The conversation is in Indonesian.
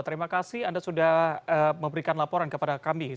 terima kasih anda sudah memberikan laporan kepada kami